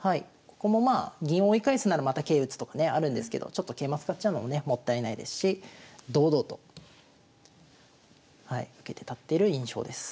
ここもまあ銀を追い返すならまた桂打つとかねあるんですけどちょっと桂馬使っちゃうのもねもったいないですし堂々とはい受けて立ってる印象です。